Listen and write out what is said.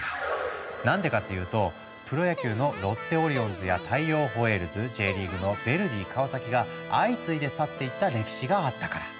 何でかっていうとプロ野球のロッテオリオンズや大洋ホエールズＪリーグのヴェルディ川崎が相次いで去っていった歴史があったから。